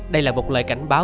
đây là một lời cảnh báo